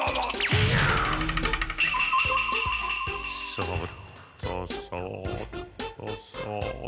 そっとそっとそっ。